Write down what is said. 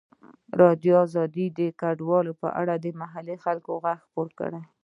ازادي راډیو د کډوال په اړه د محلي خلکو غږ خپور کړی.